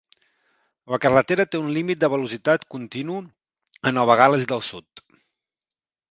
La carretera té un límit de velocitat continu a Nova Gal·les del Sud.